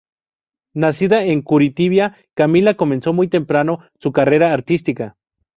Nacida en Curitiba, Camila comenzó muy temprano su carrera artística.